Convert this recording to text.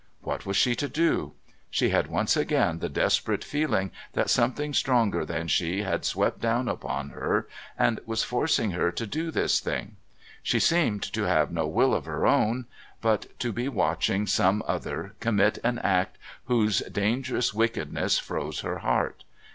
What was she to do? She had once again the desperate feeling that something stronger than she had swept down upon her and was forcing her to do this thing. She seemed to have no will of her own, but to be watching some other commit an act whose dangerous wickedness froze her heart.